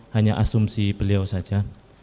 hanya asumsi beliau saja